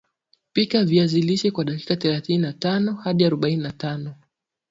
pika viazi lishe kwa dakika thelatini na tano hadi arobaini na tano